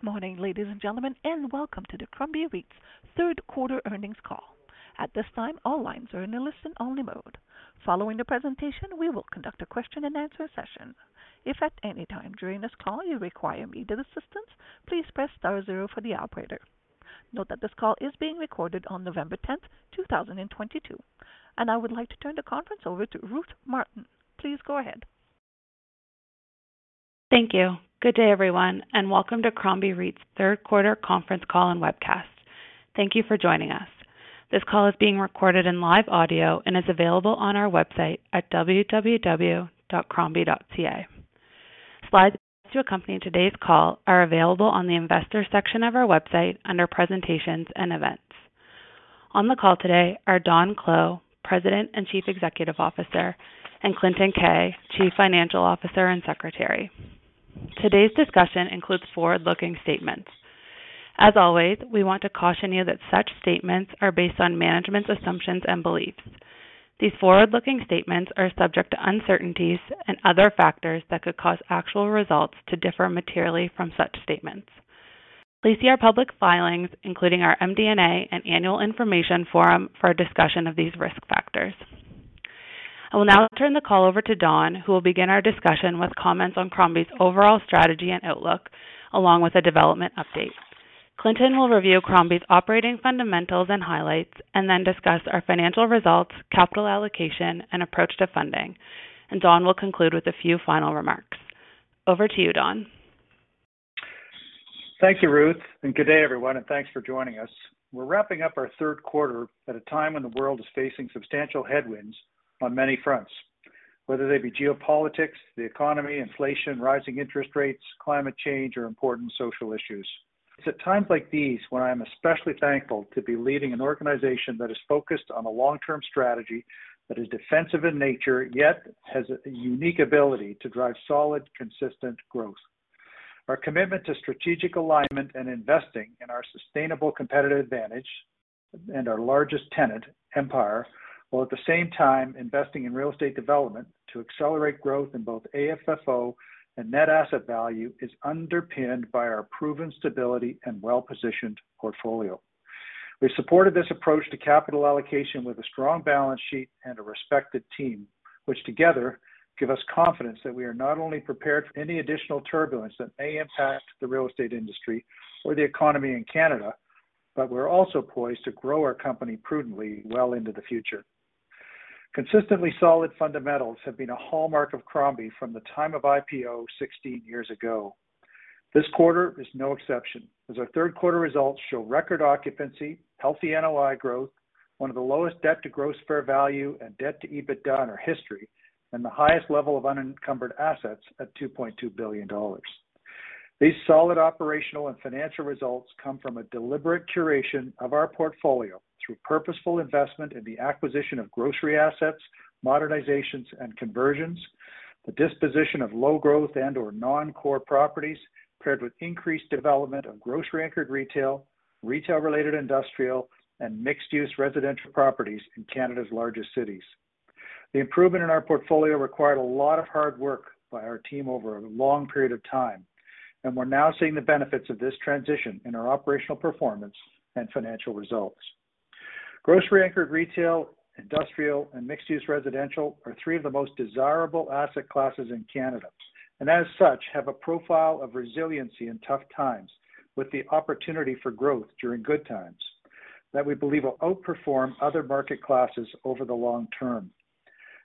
Good morning, ladies and gentlemen, and welcome to the Crombie REIT's third quarter earnings call. At this time, all lines are in a listen-only mode. Following the presentation, we will conduct a question-and-answer session. If at any time during this call you require immediate assistance, please press star zero for the operator. Note that this call is being recorded on November 10th, 2022. I would like to turn the conference over to Ruth Martin. Please go ahead. Thank you. Good day, everyone, and welcome to Crombie REIT's third quarter conference call and webcast. Thank you for joining us. This call is being recorded in live audio and is available on our website at www.crombie.ca. Slides to accompany today's call are available on the investors section of our website under Presentations and Events. On the call today are Don Clow, President and Chief Executive Officer, and Clinton Keay, Chief Financial Officer and Secretary. Today's discussion includes forward-looking statements. As always, we want to caution you that such statements are based on management's assumptions and beliefs. These forward-looking statements are subject to uncertainties and other factors that could cause actual results to differ materially from such statements. Please see our public filings, including our MD&A and Annual Information Form, for a discussion of these risk factors. I will now turn the call over to Don, who will begin our discussion with comments on Crombie's overall strategy and outlook, along with a development update. Clinton will review Crombie's operating fundamentals and highlights and then discuss our financial results, capital allocation, and approach to funding. Don will conclude with a few final remarks. Over to you, Don. Thank you, Ruth, and good day, everyone, and thanks for joining us. We're wrapping up our third quarter at a time when the world is facing substantial headwinds on many fronts, whether they be geopolitics, the economy, inflation, rising interest rates, climate change, or important social issues. It's at times like these when I am especially thankful to be leading an organization that is focused on a long-term strategy that is defensive in nature, yet has a unique ability to drive solid, consistent growth. Our commitment to strategic alignment and investing in our sustainable competitive advantage and our largest tenant, Empire, while at the same time investing in real estate development to accelerate growth in both AFFO and net asset value, is underpinned by our proven stability and well-positioned portfolio. We've supported this approach to capital allocation with a strong balance sheet and a respected team, which together give us confidence that we are not only prepared for any additional turbulence that may impact the real estate industry or the economy in Canada, but we're also poised to grow our company prudently well into the future. Consistently solid fundamentals have been a hallmark of Crombie from the time of IPO 16 years ago. This quarter is no exception, as our third quarter results show record occupancy, healthy NOI growth, one of the lowest debt to gross fair value and debt to EBITDA in our history, and the highest level of unencumbered assets at 2.2 billion dollars. These solid operational and financial results come from a deliberate curation of our portfolio through purposeful investment in the acquisition of grocery assets, modernizations, and conversions, the disposition of low growth and/or non-core properties, paired with increased development of grocery-anchored retail-related industrial, and mixed-use residential properties in Canada's largest cities. The improvement in our portfolio required a lot of hard work by our team over a long period of time, and we're now seeing the benefits of this transition in our operational performance and financial results. Grocery-anchored retail, industrial, and mixed-use residential are three of the most desirable asset classes in Canada, and as such, have a profile of resiliency in tough times with the opportunity for growth during good times that we believe will outperform other market classes over the long term.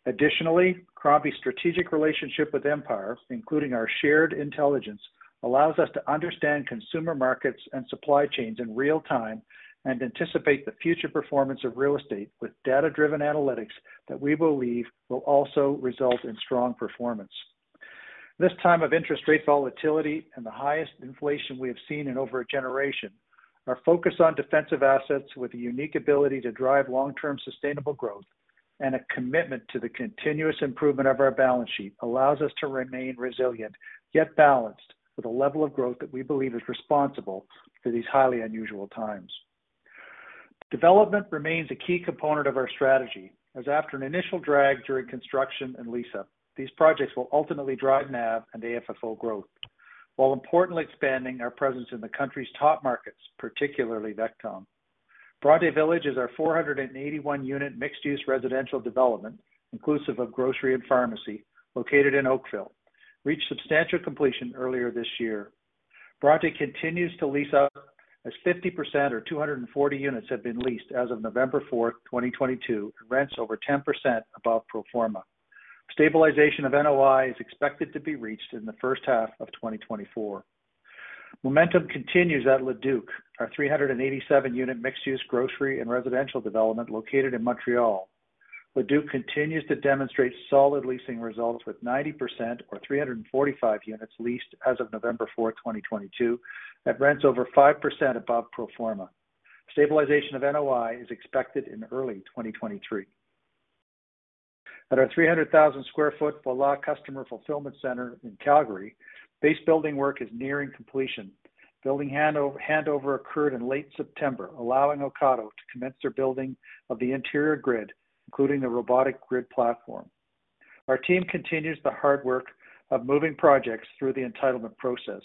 Additionally, Crombie's strategic relationship with Empire, including our shared intelligence, allows us to understand consumer markets and supply chains in real time and anticipate the future performance of real estate with data-driven analytics that we believe will also result in strong performance. This time of interest rate volatility and the highest inflation we have seen in over a generation, our focus on defensive assets with the unique ability to drive long-term sustainable growth and a commitment to the continuous improvement of our balance sheet allows us to remain resilient, yet balanced with a level of growth that we believe is responsible for these highly unusual times. Development remains a key component of our strategy, as after an initial drag during construction and lease-up, these projects will ultimately drive NAV and AFFO growth, while importantly expanding our presence in the country's top markets, particularly VECTOM. Bronte Village is our 481-unit mixed-use residential development, inclusive of grocery and pharmacy, located in Oakville. Reached substantial completion earlier this year. Bronte Village continues to lease out as 50% or 240 units have been leased as of November 4th, 2022, and rents over 10% above pro forma. Stabilization of NOI is expected to be reached in the first half of 2024. Momentum continues at Le Duke, our 387-unit mixed-use grocery and residential development located in Montreal. Le Duke continues to demonstrate solid leasing results with 90% or 345 units leased as of November 4th, 2022, at rents over 5% above pro forma. Stabilization of NOI is expected in early 2023. At our 300,000 sq ft Voilà customer fulfillment center in Calgary, base building work is nearing completion. Building handover occurred in late September, allowing Ocado to commence their building of the interior grid, including the robotic grid platform. Our team continues the hard work of moving projects through the entitlement process.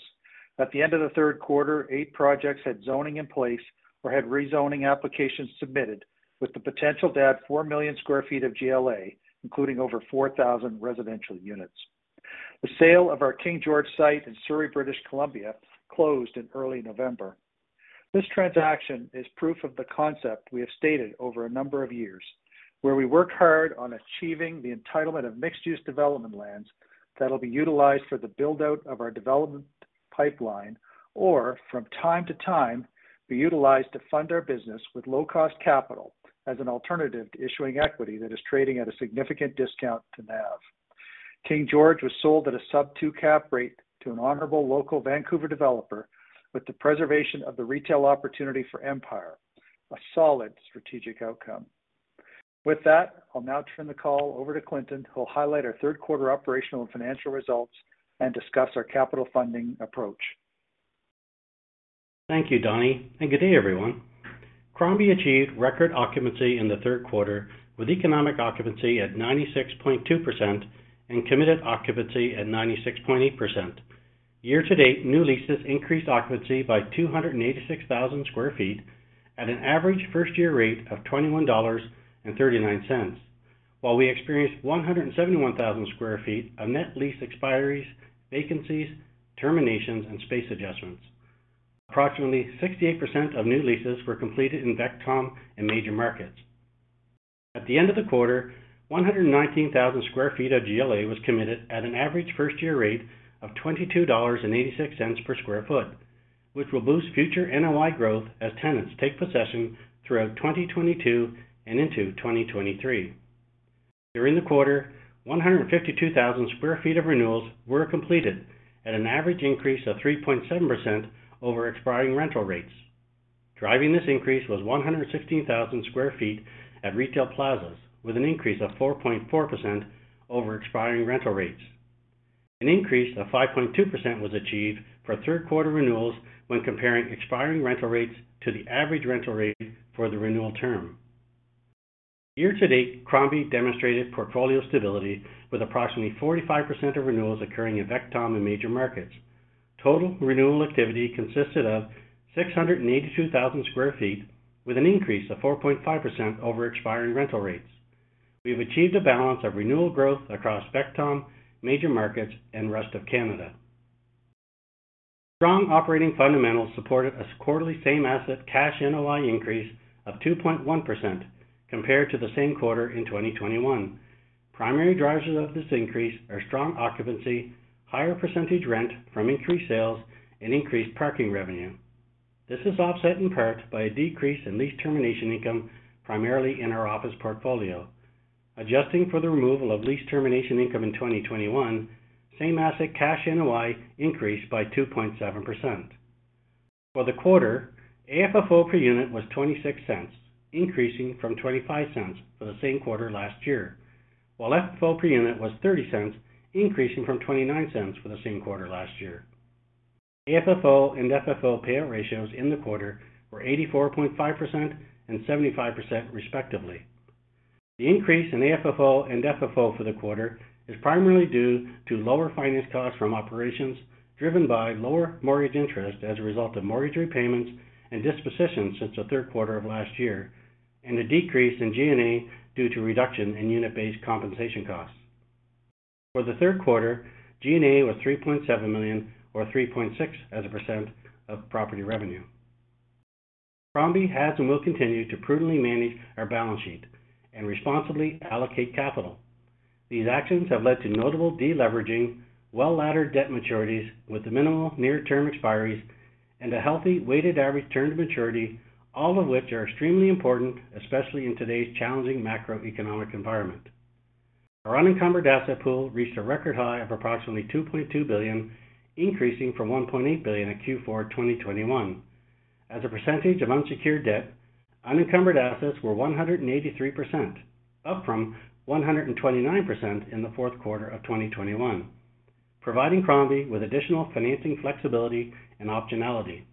At the end of the third quarter, eight projects had zoning in place or had rezoning applications submitted, with the potential to add 4 million sq ft of GLA, including over 4,000 residential units. The sale of our King George site in Surrey, British Columbia, closed in early November. This transaction is proof of the concept we have stated over a number of years, where we work hard on achieving the entitlement of mixed-use development lands that will be utilized for the build-out of our development pipeline, or from time to time, be utilized to fund our business with low-cost capital as an alternative to issuing equity that is trading at a significant discount to NAV. King George was sold at a sub-2 cap rate to an honorable local Vancouver developer with the preservation of the retail opportunity for Empire, a solid strategic outcome. With that, I'll now turn the call over to Clinton, who will highlight our third quarter operational and financial results and discuss our capital funding approach. Thank you, Donny, and good day, everyone. Crombie achieved record occupancy in the third quarter with economic occupancy at 96.2% and committed occupancy at 96.8%. Year to date, new leases increased occupancy by 286,000 sq ft at an average first-year rate of 21.39 dollars. While we experienced 171,000 sq ft of net lease expiries, vacancies, terminations, and space adjustments, approximately 68% of new leases were completed in VECTOM in major markets. At the end of the quarter, 119,000 sq ft of GLA was committed at an average first-year rate of 22.86 dollars per sq ft, which will boost future NOI growth as tenants take possession throughout 2022 and into 2023. During the quarter, 152,000 sq ft of renewals were completed at an average increase of 3.7% over expiring rental rates. Driving this increase was 116,000 sq ft at retail plazas, with an increase of 4.4% over expiring rental rates. An increase of 5.2% was achieved for third-quarter renewals when comparing expiring rental rates to the average rental rate for the renewal term. Year to date, Crombie demonstrated portfolio stability with approximately 45% of renewals occurring in VECTOM in major markets. Total renewal activity consisted of 682,000 sq ft with an increase of 4.5% over expiring rental rates. We have achieved a balance of renewal growth across VECTOM, major markets, and rest of Canada. Strong operating fundamentals supported a quarterly same asset cash NOI increase of 2.1% compared to the same quarter in 2021. Primary drivers of this increase are strong occupancy, higher percentage rent from increased sales, and increased parking revenue. This is offset in part by a decrease in lease termination income, primarily in our office portfolio. Adjusting for the removal of lease termination income in 2021, same asset cash NOI increased by 2.7%. For the quarter, AFFO per unit was 0.26, increasing from 0.25 for the same quarter last year. While FFO per unit was 0.30, increasing from 0.29 for the same quarter last year. AFFO and FFO payout ratios in the quarter were 84.5% and 75% respectively. The increase in AFFO and FFO for the quarter is primarily due to lower finance costs from operations driven by lower mortgage interest as a result of mortgage repayments and dispositions since the third quarter of last year, and a decrease in G&A due to reduction in unit-based compensation costs. For the third quarter, G&A was 3.7 million or 3.6% of property revenue. Crombie has and will continue to prudently manage our balance sheet and responsibly allocate capital. These actions have led to notable deleveraging, well-laddered debt maturities with minimal near-term expiries and a healthy weighted average term to maturity, all of which are extremely important, especially in today's challenging macroeconomic environment. Our unencumbered asset pool reached a record high of approximately 2.2 billion, increasing from 1.8 billion at Q4 2021. As a percentage of unsecured debt, unencumbered assets were 183%, up from 129% in the fourth quarter of 2021, providing Crombie with additional financing flexibility and optionality.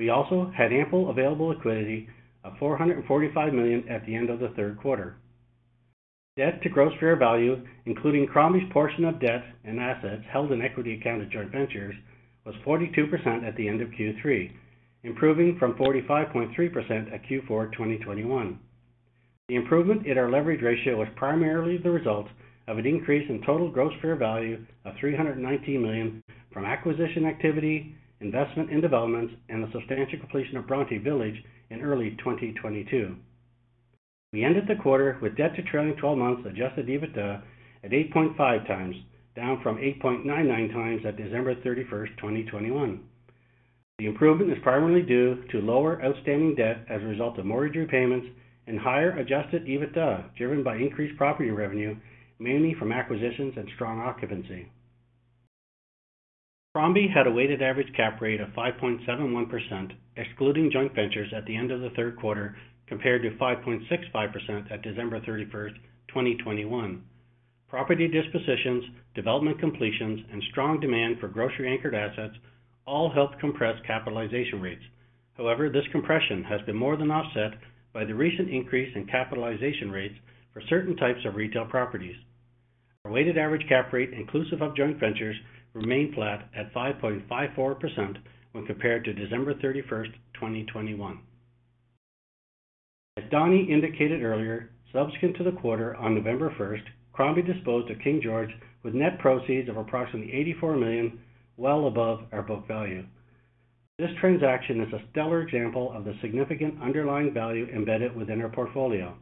We also had ample available liquidity of 445 million at the end of the third quarter. Debt to gross fair value, including Crombie's portion of debt and assets held in equity account of joint ventures, was 42% at the end of Q3, improving from 45.3% at Q4 2021. The improvement in our leverage ratio was primarily the result of an increase in total gross fair value of 319 million from acquisition activity, investment in developments, and the substantial completion of Bronte Village in early 2022. We ended the quarter with debt to trailing twelve months adjusted EBITDA at 8.5x, down from 8.99x at December 31st, 2021. The improvement is primarily due to lower outstanding debt as a result of mortgage repayments and higher adjusted EBITDA, driven by increased property revenue, mainly from acquisitions and strong occupancy. Crombie had a weighted average cap rate of 5.71%, excluding joint ventures at the end of the third quarter, compared to 5.65% at December 31st, 2021. Property dispositions, development completions, and strong demand for grocery-anchored assets all helped compress capitalization rates. However, this compression has been more than offset by the recent increase in capitalization rates for certain types of retail properties. Our weighted average cap rate inclusive of joint ventures remained flat at 5.54% when compared to December 31st, 2021. As Donny indicated earlier, subsequent to the quarter on November 1st, Crombie disposed of King George with net proceeds of approximately 84 million, well above our book value. This transaction is a stellar example of the significant underlying value embedded within our portfolio.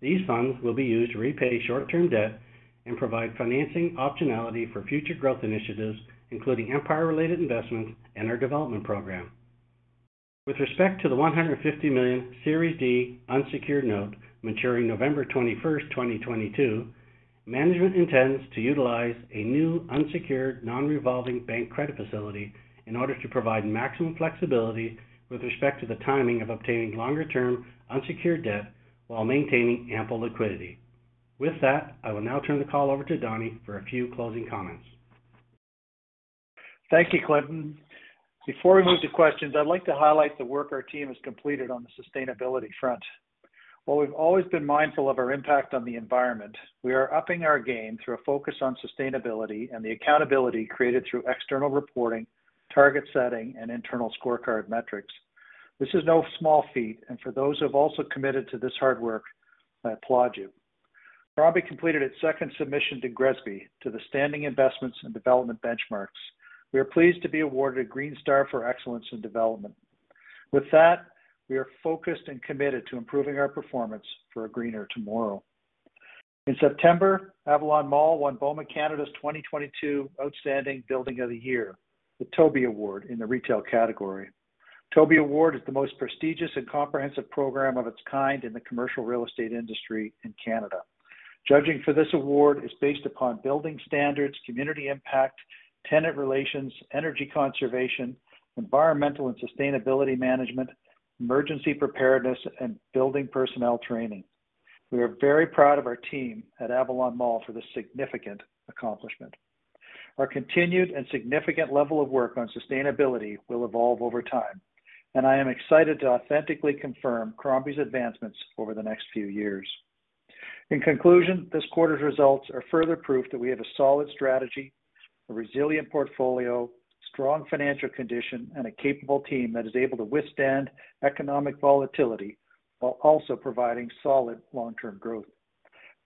These funds will be used to repay short-term debt and provide financing optionality for future growth initiatives, including Empire-related investments and our development program. With respect to the 150 million Series D unsecured note maturing November 21st, 2022, management intends to utilize a new unsecured non-revolving bank credit facility in order to provide maximum flexibility with respect to the timing of obtaining longer-term unsecured debt while maintaining ample liquidity. With that, I will now turn the call over to Donny for a few closing comments. Thank you, Clinton. Before we move to questions, I'd like to highlight the work our team has completed on the sustainability front. While we've always been mindful of our impact on the environment, we are upping our game through a focus on sustainability and the accountability created through external reporting, target setting, and internal scorecard metrics. This is no small feat, and for those who have also committed to this hard work, I applaud you. Crombie completed its second submission to GRESB, to the Sustainability Investments and Development Benchmarks. We are pleased to be awarded a Green Star for excellence in development. With that, we are focused and committed to improving our performance for a greener tomorrow. In September, Avalon Mall won BOMA Canada's 2022 Outstanding Building of the Year, the TOBY Award in the retail category. TOBY Award is the most prestigious and comprehensive program of its kind in the commercial real estate industry in Canada. Judging for this award is based upon building standards, community impact, tenant relations, energy conservation, environmental and sustainability management, emergency preparedness, and building personnel training. We are very proud of our team at Avalon Mall for this significant accomplishment. Our continued and significant level of work on sustainability will evolve over time, and I am excited to authentically confirm Crombie's advancements over the next few years. In conclusion, this quarter's results are further proof that we have a solid strategy, a resilient portfolio, strong financial condition, and a capable team that is able to withstand economic volatility while also providing solid long-term growth.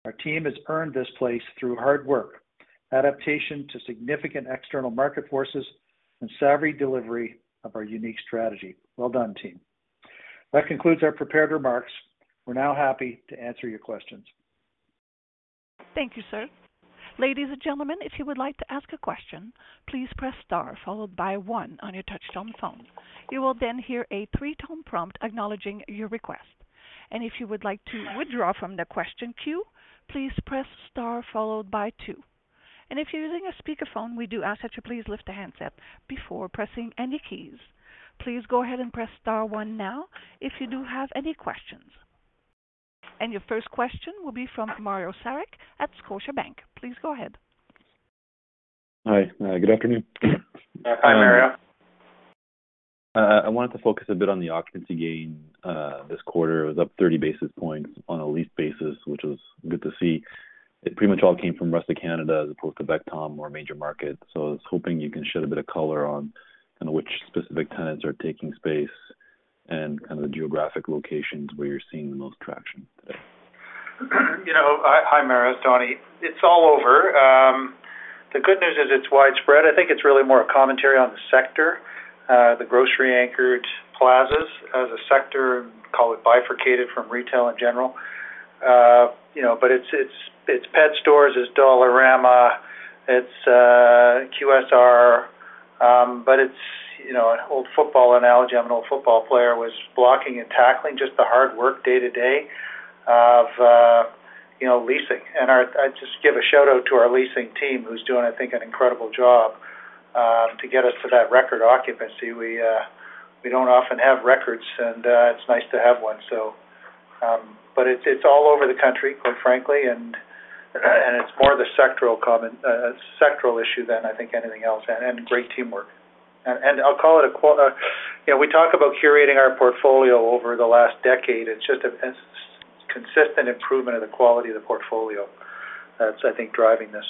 Our team has earned this place through hard work, adaptation to significant external market forces, and savvy delivery of our unique strategy. Well done, team. That concludes our prepared remarks. We're now happy to answer your questions. Thank you, sir. Ladies and gentlemen, if you would like to ask a question, please press star followed by one on your touch-tone phone. You will then hear a three-tone prompt acknowledging your request. If you would like to withdraw from the question queue, please press star followed by two. If you're using a speakerphone, we do ask that you please lift the handset before pressing any keys. Please go ahead and press star one now if you do have any questions. Your first question will be from Mario Saric at Scotiabank. Please go ahead. Hi. Good afternoon. Hi, Mario. I wanted to focus a bit on the occupancy gain this quarter. It was up 30 basis points on a lease basis, which was good to see. It pretty much all came from rest of Canada as opposed to VECTOM or major markets. I was hoping you can shed a bit of color on, kind of which specific tenants are taking space and kind of the geographic locations where you're seeing the most traction today. Hi, Mario, it's Donny. It's all over. The good news is it's widespread. I think it's really more a commentary on the sector, the grocery-anchored plazas as a sector, call it bifurcated from retail in general. You know, but it's pet stores, it's Dollarama, it's QSR. But it's, you know, an old football analogy. I'm an old football player. Was blocking and tackling just the hard work day to day of, leasing. And I just give a shout-out to our leasing team who's doing, I think, an incredible job, to get us to that record occupancy. We don't often have records, and it's nice to have one. But it's all over the country, quite frankly. It's more of a sectoral issue than I think anything else, and great teamwork. You know, we talk about curating our portfolio over the last decade. It's just this consistent improvement in the quality of the portfolio that's, I think, driving this.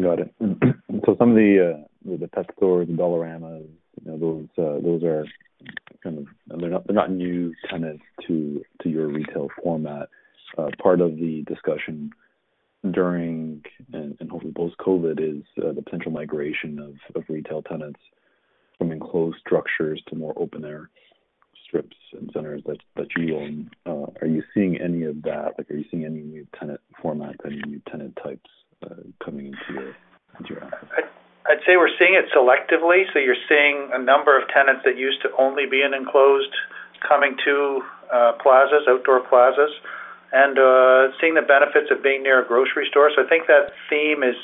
Got it. Some of the pet stores, the Dollarama, you know, those are kind of. They're not new tenants to your retail format. Part of the discussion during and hopefully post-COVID is the potential migration of retail tenants from enclosed structures to more open air strips and centers that you own. Are you seeing any of that? Like, are you seeing any new tenant format, any new tenant types coming into your assets? I'd say we're seeing it selectively. You're seeing a number of tenants that used to only be in enclosed coming to plazas, outdoor plazas, and seeing the benefits of being near a grocery store. I think that theme is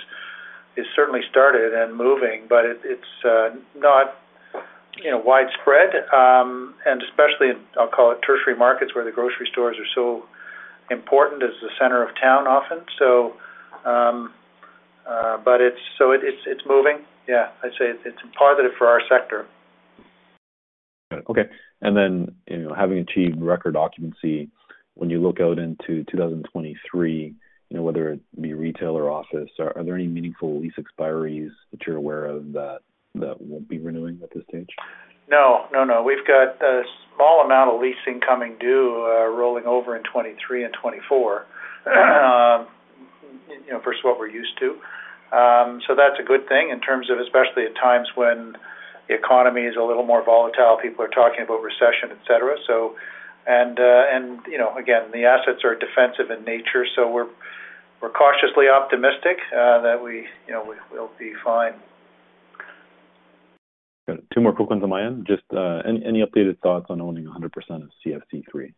certainly started and moving, but it's not, you know, widespread. Especially in, I'll call it tertiary markets, where the grocery stores are so important as the center of town often. It's moving. Yeah, I'd say it's positive for our sector. Got it. Okay. You know, having achieved record occupancy, when you look out into 2023, you know, whether it be retail or office, are there any meaningful lease expiries that you're aware of that won't be renewing at this stage? No, no. We've got a small amount of leasing coming due, rolling over in 2023 and 2024. You know, first of what we're used to. That's a good thing in terms of especially at times when the economy is a little more volatile, people are talking about recession, etc. And, you know, again, the assets are defensive in nature, so we're cautiously optimistic that we, you know, we'll be fine. Got it. Two more quick ones on my end. Just any updated thoughts on owning 100% of CFC 3?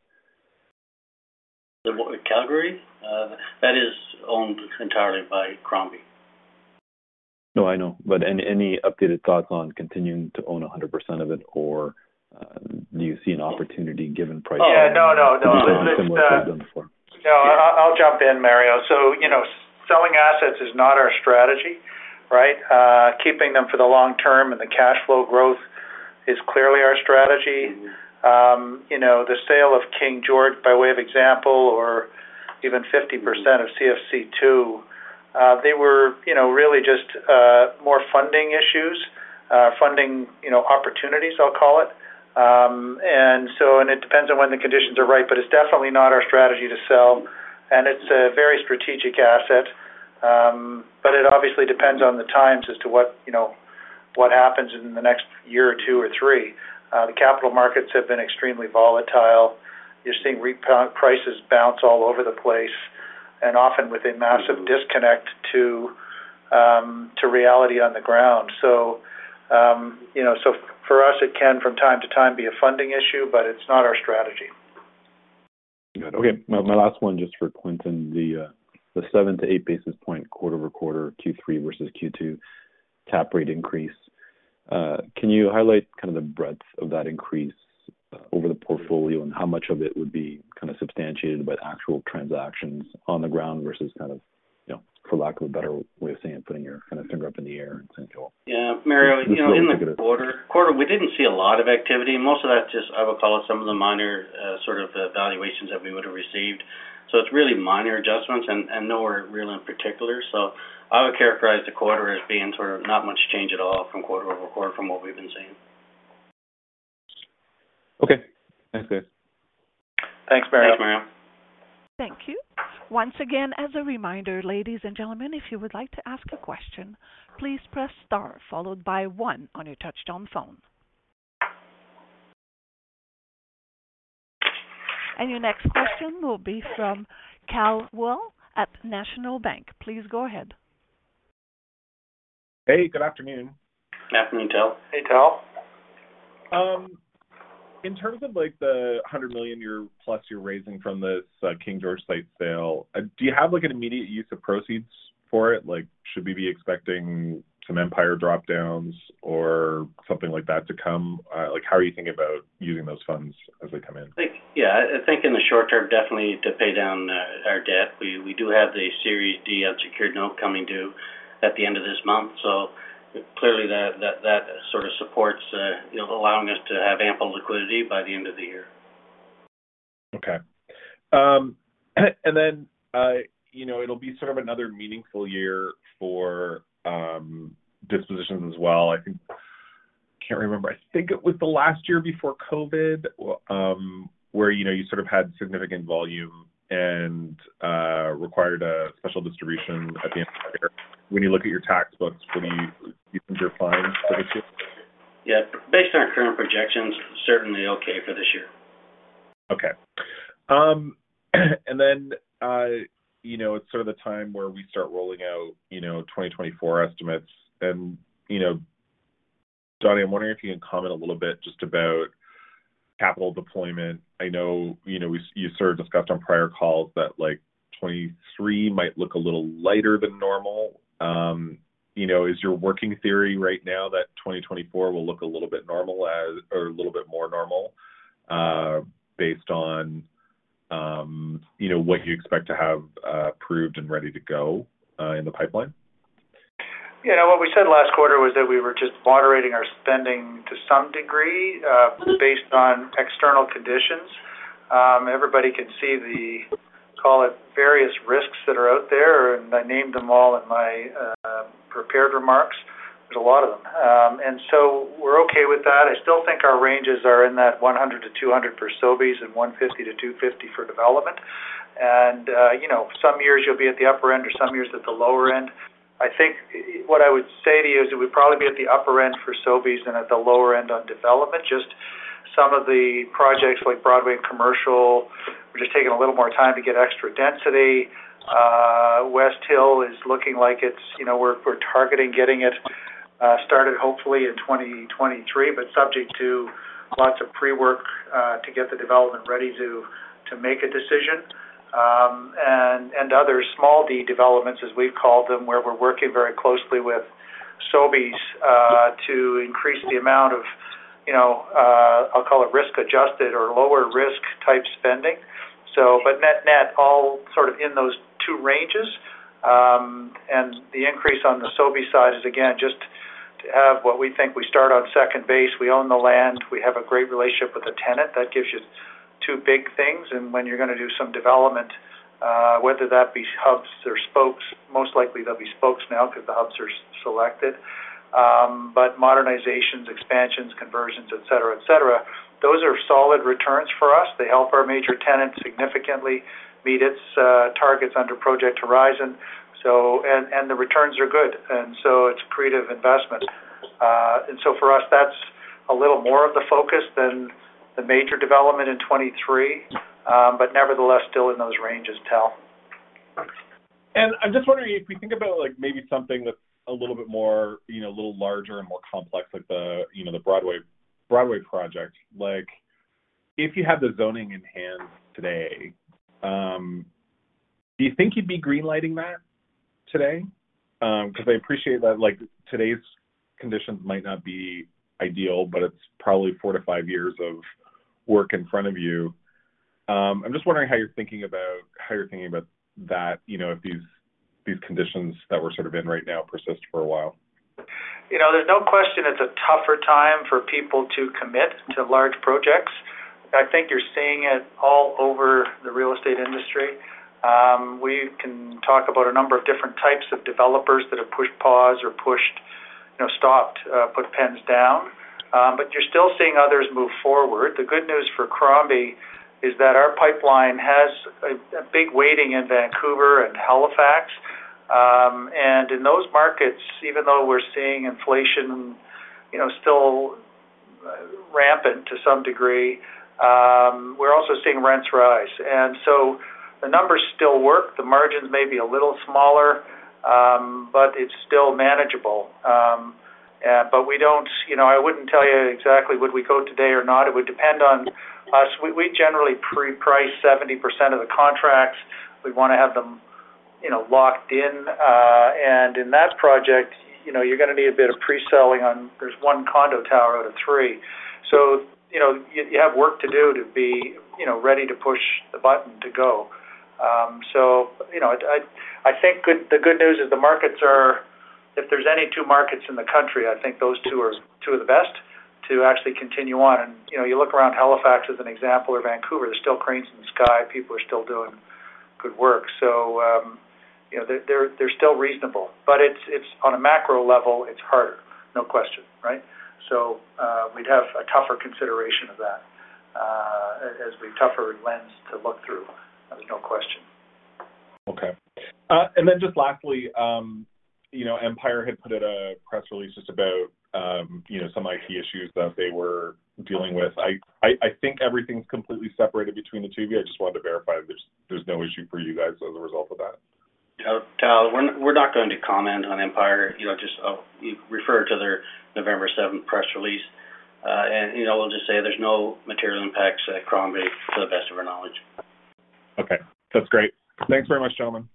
The Calgary that is owned entirely by Crombie. No, I know. Any updated thoughts on continuing to own 100% of it, or do you see an opportunity given pricing. Yeah. No, no. Similar to what you've done before? No. I'll jump in, Mario. You know, selling assets is not our strategy, right? Keeping them for the long term and the cash flow growth is clearly our strategy. You know, the sale of King George by way of example or even 50% of CFC 2, they were, you know, really just more funding opportunities, I'll call it. It depends on when the conditions are right. It's definitely not our strategy to sell, and it's a very strategic asset. It obviously depends on the times as to what, you know, what happens in the next year or two or three. The capital markets have been extremely volatile. You're seeing prices bounce all over the place and often with a massive disconnect to reality on the ground. You know, so for us it can from time to time be a funding issue, but it's not our strategy. Good. Okay. My last one just for Clinton. The 7-8 basis point quarter-over-quarter Q3 versus Q2 cap rate increase, can you highlight kind of the breadth of that increase over the portfolio and how much of it would be kind of substantiated by the actual transactions on the ground versus kind of, you know, for lack of a better way of saying it, putting your kind of finger up in the air? Yeah. Mario, you know, in the quarter we didn't see a lot of activity. Most of that just I would call it some of the minor sort of the valuations that we would have received. It's really minor adjustments and nowhere real in particular. I would characterize the quarter as being sort of not much change at all from quarter-over-quarter from what we've been seeing. Okay. Thanks, guys. Thanks, Mario. Thanks, Mario. Thank you. Once again, as a reminder, ladies and gentlemen, if you would like to ask a question, please press star followed by one on your touch-tone phone. Your next question will be from Tal Woolley at National Bank. Please go ahead. Hey, good afternoon. Afternoon, Tal. Hey, Tal. In terms of like the 100 million plus you're raising from this King George site sale, do you have like an immediate use of proceeds for it? Like, should we be expecting some Empire drop-downs or something like that to come? Like how are you thinking about using those funds as they come in? I think in the short term, definitely to pay down our debt. We do have the Series D unsecured note coming due at the end of this month. Clearly that sort of supports you know, allowing us to have ample liquidity by the end of the year. Okay. You know, it'll be sort of another meaningful year for dispositions as well. I think it was the last year before COVID, where, you know, you sort of had significant volume and required a special distribution at the end of the year. When you look at your tax books for the year, do you think you're fine for this year? Yeah. Based on our current projections, certainly okay for this year. Okay. Then, you know, it's sort of the time where we start rolling out, you know, 2024 estimates. You know, Donny, I'm wondering if you can comment a little bit just about capital deployment. I know, you know, you sort of discussed on prior calls that like 2023 might look a little lighter than normal. You know, is your working theory right now that 2024 will look a little bit normal, or a little bit more normal, based on, you know, what you expect to have approved and ready to go in the pipeline? Yeah. What we said last quarter was that we were just moderating our spending to some degree, based on external conditions. Everybody can see the, call it, various risks that are out there, and I named them all in my prepared remarks. There's a lot of them. We're okay with that. I still think our ranges are in that 100-200 for SOVs and 150-250 for development. You know, some years you'll be at the upper end or some years at the lower end. I think what I would say to you is we'll probably be at the upper end for SOVs and at the lower end on development. Just some of the projects like Broadway and Commercial, we're just taking a little more time to get extra density. Westhill is looking like it's, you know, we're targeting getting it started hopefully in 2023, but subject to lots of pre-work to get the development ready to make a decision. Other small D developments, as we've called them, where we're working very closely with Sobeys to increase the amount of, you know, I'll call it risk-adjusted or lower risk type spending. Net net all sort of in those two ranges. The increase on the Sobeys side is again, just to have what we think we start on second base. We own the land. We have a great relationship with the tenant. That gives you two big things. When you're gonna do some development, whether that be hubs or spokes, most likely they'll be spokes now because the hubs are selected. Modernizations, expansions, conversions, etc., those are solid returns for us. They help our major tenants significantly meet its targets under Project Horizon. The returns are good, and so it's accretive investment. For us that's a little more of the focus than the major development in 2023, but nevertheless still in those ranges, Tal. I'm just wondering if we think about like maybe something that's a little bit more, you know, a little larger and more complex like the Broadway project. Like, if you had the zoning in hand today, do you think you'd be green-lighting that today? Because I appreciate that like today's conditions might not be ideal, but it's probably 4-5 years of work in front of you. I'm just wondering how you're thinking about that, you know, if these conditions that we're sort of in right now persist for a while. You know, there's no question it's a tougher time for people to commit to large projects. I think you're seeing it all over the real estate industry. We can talk about a number of different types of developers that have pushed pause or pushed, you know, stopped, put pens down. You're still seeing others move forward. The good news for Crombie is that our pipeline has a big weighting in Vancouver and Halifax. In those markets, even though we're seeing inflation, you know, still rampant to some degree, we're also seeing rents rise. The numbers still work. The margins may be a little smaller, but it's still manageable. We don't. You know, I wouldn't tell you exactly whether we would go today or not. It would depend on us. We generally pre-price 70% of the contracts. We wanna have them, you know, locked in. In that project, you know, you're gonna need a bit of pre-selling. There's one condo tower out of three. You have work to do to be, you know, ready to push the button to go. I think the good news is the markets are. If there's any two markets in the country, I think those two are two of the best to actually continue on. You know, you look around Halifax as an example or Vancouver, there's still cranes in the sky. People are still doing good work. You know, they're still reasonable. It's on a macro level, it's harder, no question, right? We'd have a tougher consideration of that, tougher lens to look through. There's no question. Okay. Just lastly, you know, Empire had put out a press release just about, you know, some IT issues that they were dealing with. I think everything's completely separated between the two of you. I just wanted to verify there's no issue for you guys as a result of that. Tal, we're not going to comment on Empire. You know, just refer to their November seventh press release. You know, we'll just say there's no material impacts at Crombie to the best of our knowledge. Okay. That's great. Thanks very much, gentlemen.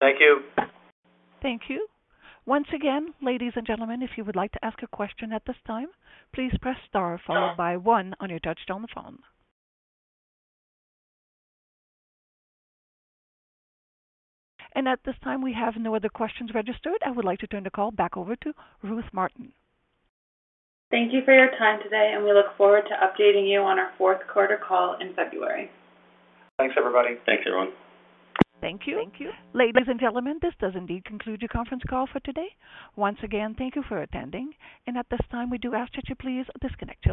Thank you. Thank you. Once again, ladies and gentlemen, if you would like to ask a question at this time, please press star followed by one on your touch-tone phone. At this time, we have no other questions registered. I would like to turn the call back over to Ruth Martin. Thank you for your time today, and we look forward to updating you on our fourth quarter call in February. Thanks, everybody. Thanks, everyone. Thank you. Ladies and gentlemen, this does indeed conclude your conference call for today. Once again, thank you for attending. At this time we do ask that you please disconnect your lines.